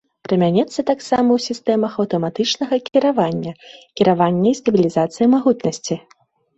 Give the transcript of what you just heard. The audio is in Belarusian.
Прымяняецца таксама ў сістэмах аўтаматычнага кіравання, кіравання і стабілізацыі магутнасці.